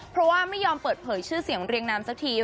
เพราะว่าไม่ยอมเปิดเผยชื่อเสียงเรียงนามสักที